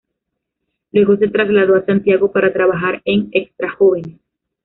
Luego se trasladó a Santiago para trabajar en "Extra jóvenes".